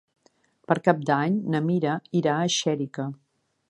Per Cap d'Any na Mira irà a Xèrica.